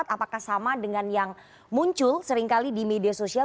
apakah sama dengan yang muncul seringkali di media sosial